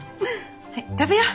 はい食べよう！